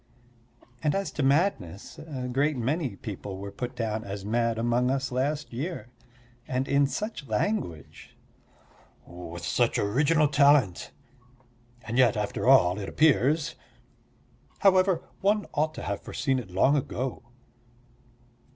And as to madness, a great many people were put down as mad among us last year. And in such language! "With such original talent" ... "and yet, after all, it appears" ... "however, one ought to have foreseen it long ago."